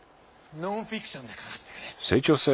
ノンフィクションで書かせてくれ。